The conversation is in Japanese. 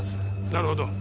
なるほど。